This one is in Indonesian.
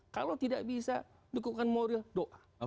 kalau tidak bisa dukungan moral doa